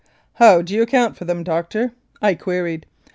" "How do you account for them, Doctor? " I queried.